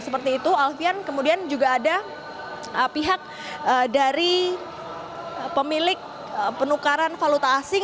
seperti itu alfian kemudian juga ada pihak dari pemilik penukaran valuta asing